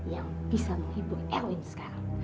yang bisa menghibur elwin sekarang